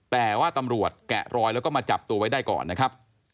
แต่ว่าตำรวจแกะรอยแล้วก็มาจับตัวไว้ได้ก่อนนะครับ